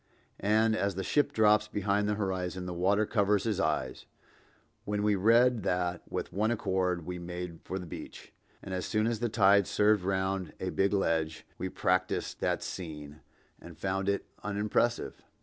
And as the ship drops behind the horizon, the water covers his eyes—when we read that, with one accord we made for the beach, and as soon as the tide served round a big ledge, we practiced that scene, and found it unimpressive.